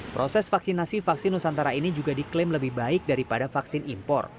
proses vaksinasi vaksin nusantara ini juga diklaim lebih baik daripada vaksin impor